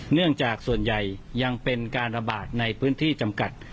เนื่องจากส่วนใหญ่ยังเป็นการระบาดในพื้นที่จำกัด